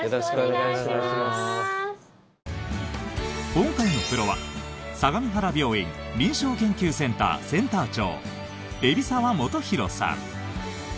今回のプロは相模原病院臨床研究センターセンター長、海老澤元宏さん。